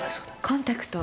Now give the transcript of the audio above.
コンタクト。